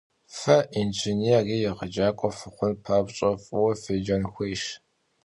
Fe yinjjênêr yê yêğecak'ue fıxhun papş'e, f'ıue fêcen xuêyş.